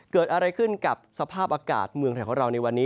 เกิดอะไรขึ้นกับสภาพอากาศเมืองไทยของเราในวันนี้